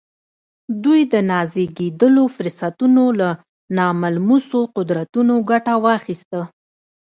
دوی د نازېږېدلو فرصتونو له ناملموسو قدرتونو ګټه واخيسته.